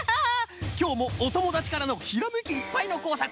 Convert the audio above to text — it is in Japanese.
きょうもおともだちからのひらめきいっぱいのこうさく